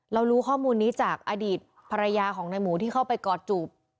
รู้ข้อมูลนี้จากอดีตภรรยาของนายหมูที่เข้าไปกอดจูบ